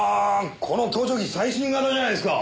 この盗聴器最新型じゃないですか。